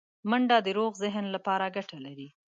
منډه د روغ ذهن لپاره ګټه لري